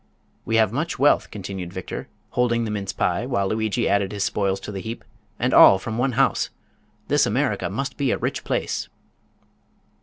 "We have much wealth," continued Victor, holding the mince pie while Lugui added his spoils to the heap; "and all from one house! This America must be a rich place."